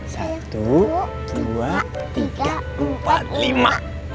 satu dua tiga empat lima